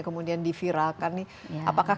kemudian diviralkan nih